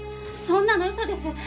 そんなの嘘です！